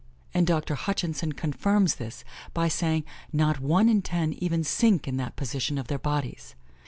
And Dr. Hutchinson confirms this, by saying, not one in ten even sink in that position of their bodies.